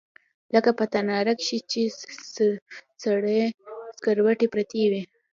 لکه په تناره کښې چې سرې سکروټې پرتې وي.